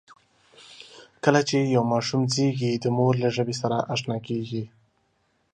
کله چې یو ماشوم زېږي، د مور له ژبې سره آشنا کېږي.